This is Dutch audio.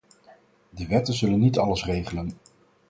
De wetten zullen niet alles regelen.